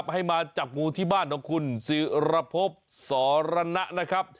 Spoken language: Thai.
ให้มาจับงูที่บ้านของคุณศิรพบสรณะนะครับ